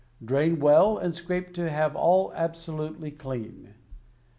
Drain well, and scrape to have all absolutely clean.